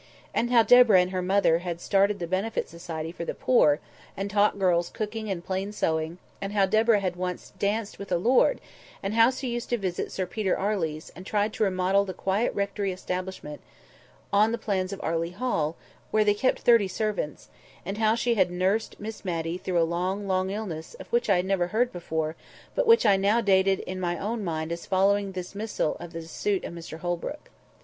and how Deborah and her mother had started the benefit society for the poor, and taught girls cooking and plain sewing; and how Deborah had once danced with a lord; and how she used to visit at Sir Peter Arley's, and tried to remodel the quiet rectory establishment on the plans of Arley Hall, where they kept thirty servants; and how she had nursed Miss Matty through a long, long illness, of which I had never heard before, but which I now dated in my own mind as following the dismissal of the suit of Mr Holbrook.